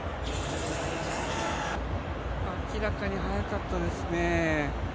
明らかに早かったですね。